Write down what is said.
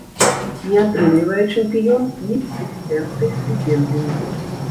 Не атрымлівае чэмпіён і прэзідэнцкай стыпендыі.